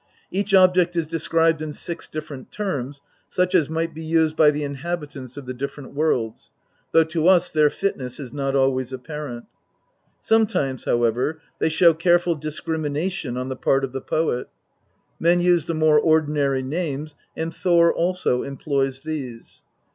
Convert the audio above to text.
Each object is described in six different terms, such as might be used by the inhabitants of the different worlds, though to us their fitness is not always apparent. Sometimes, however, they show careful discrimina tion on the part of the poet. Men use the more ordinary names, and Thor also employs these.